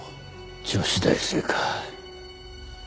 女子大生か。